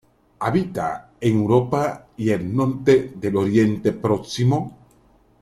Habita en Europa y el norte del Oriente Próximo.